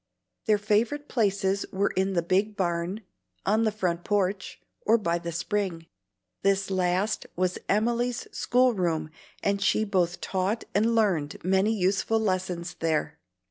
Their favorite places were in the big barn, on the front porch, or by the spring. This last was Emily's schoolroom, and she both taught and learned many useful lessons there.